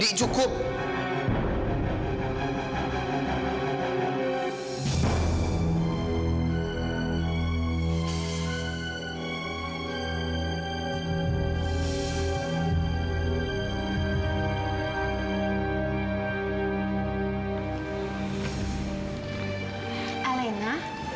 di cukup nah dikira kira ini